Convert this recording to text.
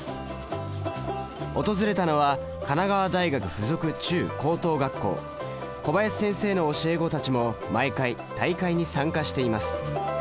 訪れたのは小林先生の教え子たちも毎回大会に参加しています。